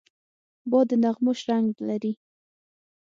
باد د نغمو شرنګ لري